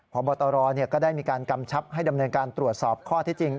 พบตรก็ได้มีการกำชับให้ดำเนินการตรวจสอบข้อที่จริง